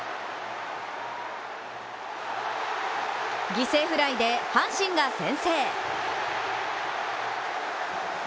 犠牲フライで阪神が先制。